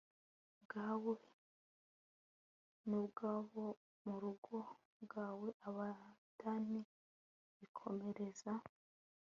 bwawe n ubw abo mu rugo rwawe abadani bikomereza